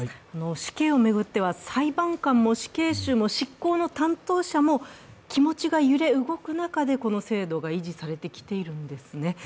死刑を巡っては裁判官も死刑囚も執行の担当者も気持ちが揺れ動く中でこの制度が維持されてきているんですね。